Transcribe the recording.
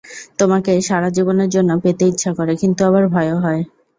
তোমাকে সারা জীবনের জন্য পেতে ইচ্ছা করে কিন্তু আবার ভয়ও হয়।